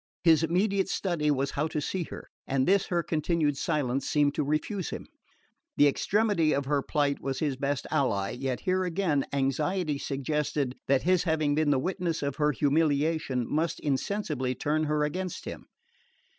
His immediate study was how to see her; and this her continued silence seemed to refuse him. The extremity of her plight was his best ally; yet here again anxiety suggested that his having been the witness of her humiliation must insensibly turn her against him.